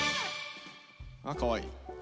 あかわいい。